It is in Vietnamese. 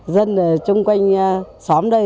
dân xung quanh xóm đây